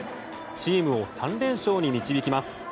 チームを３連勝に導きます。